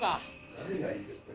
何がいいですかね？